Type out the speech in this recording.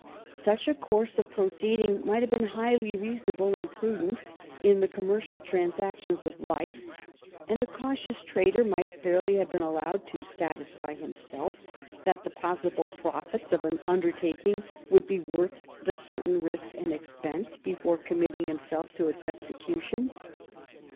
Such a course of proceeding might have been highly reasonable and prudent in the commercial transactions of life, and a cautious trader might fairly have been allowed to satisfy himself that the possible profits of an undertaking would be worth the certain risk and expense, before committing himself to its exe cution.